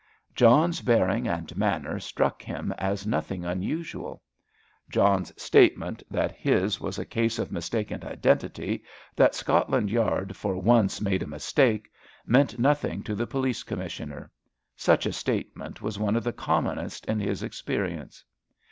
John's bearing and manner struck him as nothing unusual. John's statement that his was a case of mistaken identity, that Scotland Yard had for once made a mistake, meant nothing to the Police Commissioner. Such a statement was one of the commonest in his experience.